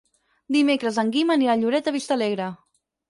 Dimecres en Guim anirà a Lloret de Vistalegre.